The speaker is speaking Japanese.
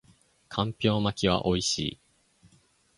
干瓢巻きは美味しい